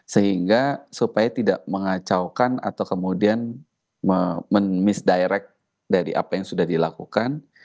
sehingga supaya tidak mengacaukan atau kemudian men misdirect dari apa yang sudah dilakukan